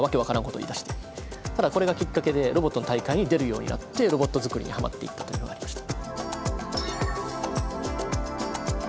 ただこれがきっかけでロボットの大会に出るようになってロボット作りにハマっていったというのがありました。